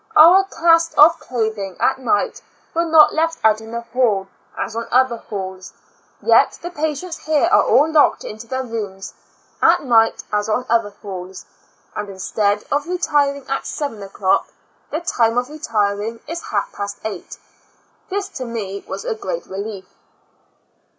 Our cast off clothino^ at nis^ht were not left out in the hall, as on other halls; yet the patients here are all locked into their rooms at night as on other halls; and instead of retiring at seven o'clock, the time of retir ing is half past eight. This to me was a great relief.